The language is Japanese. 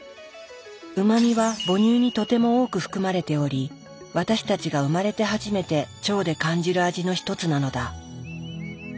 「うま味」は母乳にとても多く含まれており私たちが生まれて初めて「腸」で感じる味の一つなのだ。